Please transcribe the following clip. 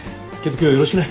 今日よろしくね。